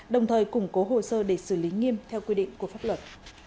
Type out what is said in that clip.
đồng thời củng cố hồ sơ để xử lý nghiêm theo quy định của pháp luật